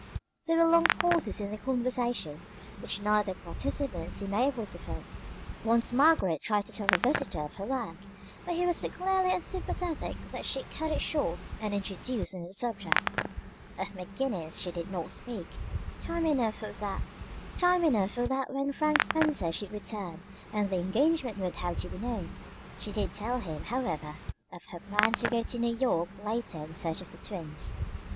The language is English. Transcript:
There were long pauses in the conversation, which neither participant seemed able to fill. Once Margaret tried to tell her visitor of her work, but he was so clearly unsympathetic that she cut it short and introduced another subject. Of McGinnis she did not speak; time enough for that when Frank Spencer should return and the engagement would have to be known. She did tell him, however, of her plans to go to New York later in search of the twins.